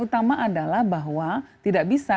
utama adalah bahwa tidak bisa